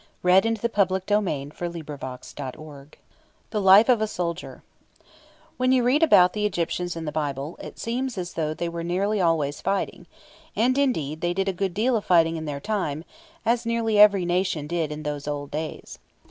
CHAPTER V THE LIFE OF A SOLDIER When you read about the Egyptians in the Bible, it seems as though they were nearly always fighting; and, indeed, they did a good deal of fighting in their time, as nearly every nation did in those old days.